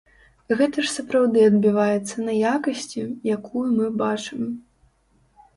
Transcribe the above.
Гэта ж сапраўды адбіваецца на якасці, якую мы бачым.